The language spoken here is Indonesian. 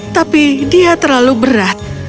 tapi dia terlalu berat